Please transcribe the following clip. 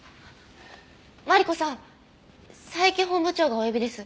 マリコさん佐伯本部長がお呼びです。